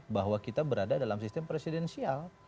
bahwa kita berada dalam sistem presidensial